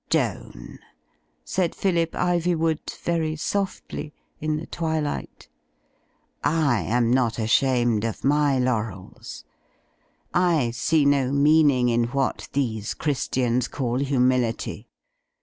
"Joan," said Phillip Ivjnvood, very softly, in the twi light, "I am not ashamed of my laurels. I see no meaning in what these Christians call humility.